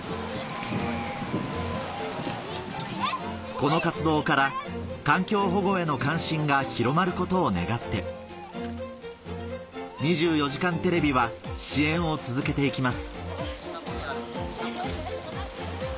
この活動から環境保護への関心が広まることを願って『２４時間テレビ』は支援を続けていきます